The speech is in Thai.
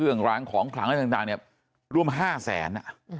เรื่องร้างของขลางต่างรวม๕๐๐๐๐๐บาท